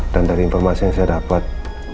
dan dari informasi yang saya dapat